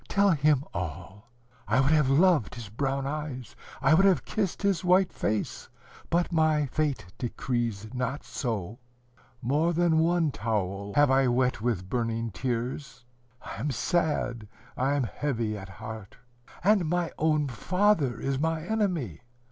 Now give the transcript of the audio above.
Tell him all: I would have loved his brown eyes, I would have kissed his white face, but my fate decrees not so. More than one towel have I wet with burning tears. I am sad, I am heavy at heart. And my own father is my enemy.